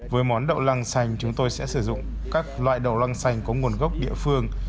với món đậu lăng xanh chúng tôi sẽ sử dụng các loại đầu lăng xanh có nguồn gốc địa phương